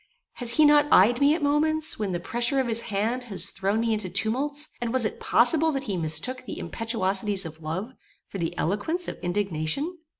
Has he not eyed me at moments, when the pressure of his hand has thrown me into tumults, and was it possible that he mistook the impetuosities of love, for the eloquence of indignation?